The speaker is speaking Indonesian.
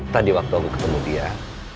tadi waktu aku ketemu dia